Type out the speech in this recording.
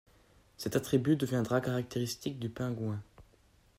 Cet attribut deviendra caractéristique du Pingouin.